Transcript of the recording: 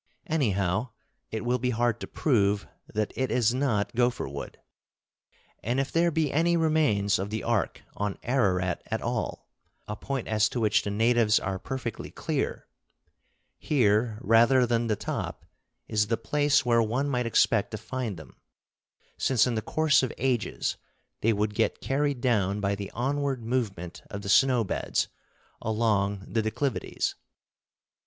Anyhow, it will be hard to prove that it is not gopher wood. And if there be any remains of the Ark on Ararat at all, a point as to which the natives are perfectly clear, here rather than the top is the place where one might expect to find them, since in the course of ages they would get carried down by the onward movement of the snow beds along the declivities.